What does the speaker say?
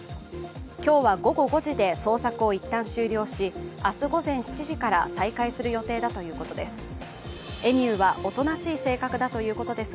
今日は午後５時で捜索をいったん終了し明日午前７時から再開する予定だということです。